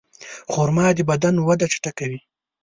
خرما د بدن وده چټکوي.